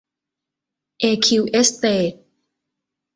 เอคิว เอสเตท